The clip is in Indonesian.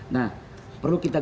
nah perlu kita